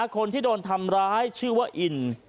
คนที่โดนทำร้ายชื่อว่าอิน